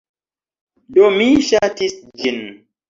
Do, mi ŝatis ĝin.